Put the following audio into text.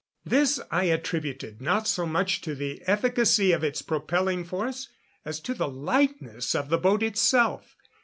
This I attributed not so much to the efficacy of its propelling force as to the lightness of the boat itself.